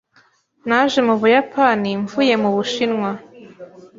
Naje mu Buyapani mvuye mu Bushinwa.